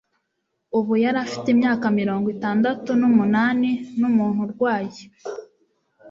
Ubu yari afite imyaka mirongo itandatu n'umunani numuntu urwaye.